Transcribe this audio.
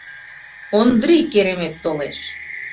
Ондрий, керемет, толеш.